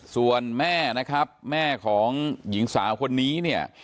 ส่วนแม่ของหญิงสามคนนี้